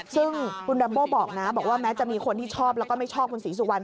ซึ่งคุณแรมโบ้บอกนะบอกว่าแม้จะมีคนที่ชอบแล้วก็ไม่ชอบคุณศรีสุวรรณ